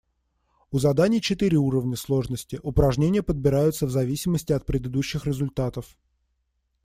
У заданий четыре уровня сложности, упражнения подбираются в зависимости от предыдущих результатов.